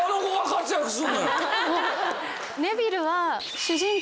ネビルは。